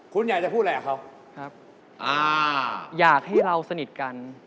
คุณอยากจะพูดอะไรอ่ะค่ะ